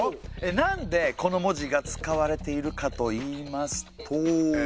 なんでこの文字が使われているかといいますと？